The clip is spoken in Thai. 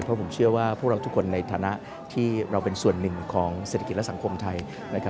เพราะผมเชื่อว่าพวกเราทุกคนในฐานะที่เราเป็นส่วนหนึ่งของเศรษฐกิจและสังคมไทย